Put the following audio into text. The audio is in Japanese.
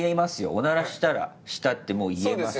おならしたらしたって言えます。